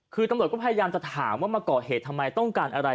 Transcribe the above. คือตำรวจก็พยายามจะถามว่ามาก่อเหตุทำไมต้องการอะไร